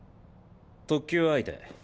特級相手。